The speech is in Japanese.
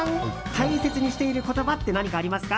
大切にしている言葉って何かありますか？